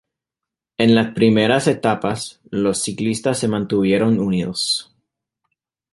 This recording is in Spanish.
En las primeras etapas, los ciclistas se mantuvieron unidos.